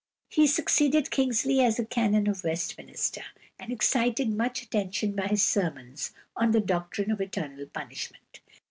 He succeeded Kingsley as a Canon of Westminster, and excited much attention by his sermons on the doctrine of eternal punishment.